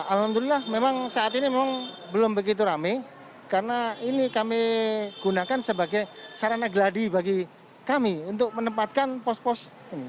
alhamdulillah memang saat ini memang belum begitu rame karena ini kami gunakan sebagai sarana geladi bagi kami untuk menempatkan pos pos